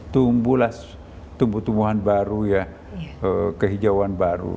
tumbuhlah tumbuh tumbuhan baru ya kehijauan baru